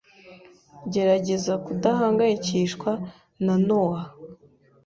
Gerageza kudahangayikishwa na Nowa.